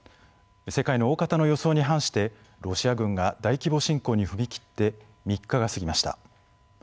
世界のおおかたの予想に反してロシア軍が大規模侵攻に踏み切って３日が過ぎました。